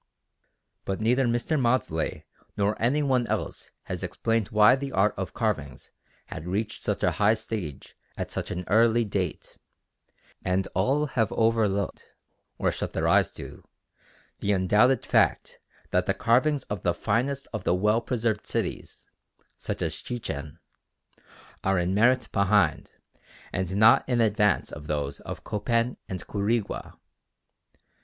But neither Mr. Maudslay nor any one else has explained why the art of carving had reached such a high stage at such an early date; and all have overlooked, or shut their eyes to, the undoubted fact that the carvings of the finest of the well preserved cities, such as Chichen, are in merit behind and not in advance of those of Copan and Quirigua.